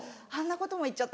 ことも言っちゃった